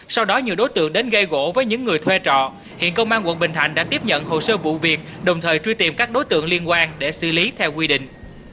sau đó nhiều đối tượng đến gây gỗ với những người thuê trọ hiện công an quận bình thạnh đã tiếp nhận hồ sơ vụ việc đồng thời truy tìm các đối tượng liên quan để xử lý theo quy định